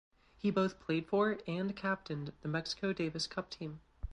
He both played for and captained the Mexico Davis Cup team.